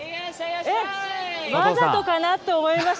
わざとかなと思いました。